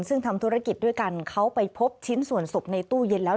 ซึ่งทำธุรกิจด้วยกันเขาไปพบชิ้นส่วนศพในตู้เย็นแล้ว